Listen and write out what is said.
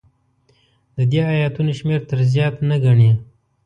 د دې ایتونو شمېر تر زیات نه ګڼي.